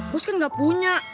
bos kan gak punya